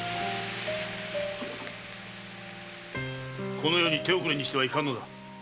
このように手遅れにしてはいかんのだ。